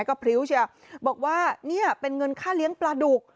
ก็พริ้วเชียวบอกว่าเนี่ยเป็นเงินค่าเลี้ยงปลาดุก